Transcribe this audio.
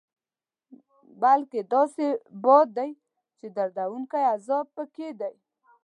بلکې داسې باد دی چې دردوونکی عذاب پکې دی.